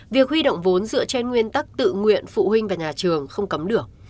việc huy động vốn dựa trên nguyên tắc tự nguyện phụ huynh và nhà trường không cấm được